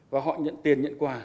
và họ nhận tiền nhận quà